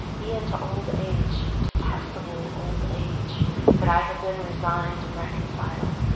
E'en to old age, detestable old age, Could I have been resigned and reconciled.